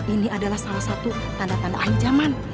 ini adalah salah satu tanda tanda ahi zaman